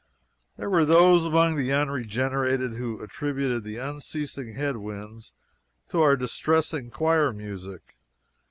There were those among the unregenerated who attributed the unceasing head winds to our distressing choir music.